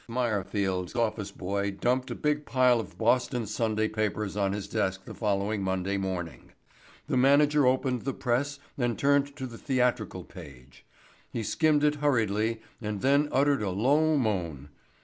Meyerfield's office boy dumped a big pile of Boston Sunday papers on his desk the following Monday morning. The manager opened the Press and turned to the theatrical page. He skimmed it hurriedly and then uttered a low moan.